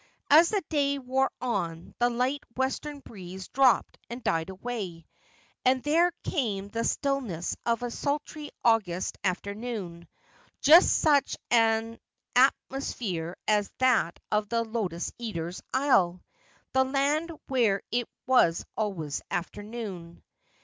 As the day wore on the light western breeze dropped and died away, and there came the stillness of a sultry August afternoon, just such an atmo sphere as that of the lotus eaters' isle, the land where it was always afternoon.